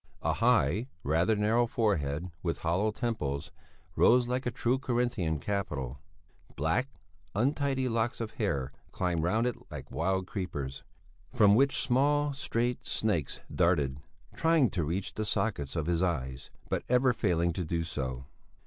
A high, rather narrow forehead with hollow temples, rose like a true Corinthian capital; black, untidy locks of hair climbed round it like wild creepers, from which small straight snakes darted, trying to reach the sockets of his eyes, but ever failing to do so.